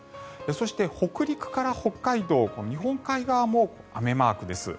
そして、北陸から北海道日本海側も雨マークです。